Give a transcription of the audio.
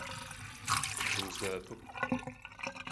Fıkhızde'epıkhu!